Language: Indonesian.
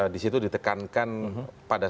di situ ditekankan pada